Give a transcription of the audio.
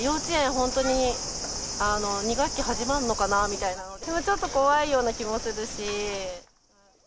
本当に２学期始まるのかなみたいな感じで、ちょっと怖いような気もするし。